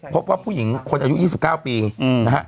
พบว่าผู้หญิงคนอายุ๒๙ปีนะฮะ